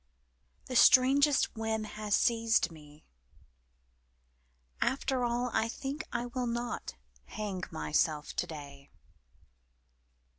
The strangest whim has seized me ... After all I think I will not hang myself today.